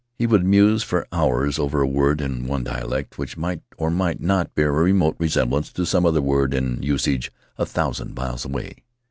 He would muse for hours over a word in one dialect which might or might not bear a remote resemblance to some other word in usage a thousand miles away.